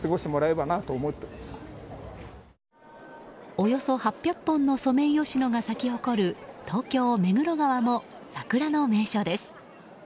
およそ８００本のソメイヨシノが咲き誇る東京・目黒川も桜の名所です。